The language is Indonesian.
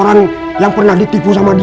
saya penggemar kommej d mumbe